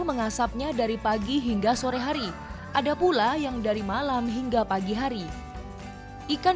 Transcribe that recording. mengasapnya dari pagi hingga sore hari ada pula yang dari malam hingga pagi hari ikan